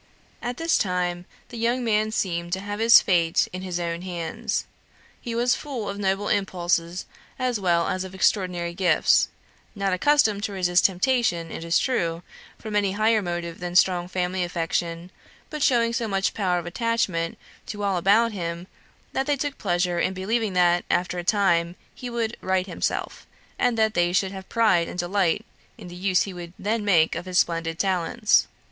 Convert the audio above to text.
At this time the young man seemed to have his fate in his own hands. He was full of noble impulses, as well as of extraordinary gifts; not accustomed to resist temptation, it is true, from any higher motive than strong family affection, but showing so much power of attachment to all about him that they took pleasure in believing that, after a time, he would "right himself," and that they should have pride and delight in the use he would then make of his splendid talents.